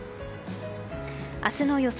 明日の予想